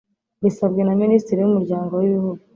Bisabwe na Minisitiri w Umuryango w Ibihugu